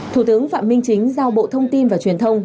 thủ tướng phạm minh chính giao bộ thông tin và truyền thông